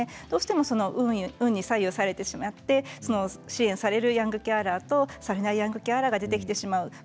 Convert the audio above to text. どうしても運に左右されてしまって支援されるヤングケアラーとされないヤングケアラーが出てきてしまう。